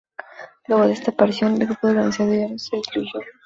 Luego de esta aparición, el grupo de organizadores se diluyó.